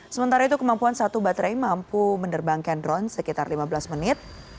sementara itu kemampuan satu baterai mampu menerbangkan drone sekitar lima belas menit